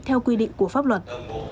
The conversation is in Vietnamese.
theo quy định của pháp luật